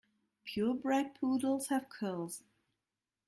Pure bred poodles have curls.